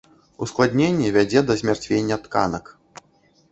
Ускладненне вядзе да змярцвення тканак.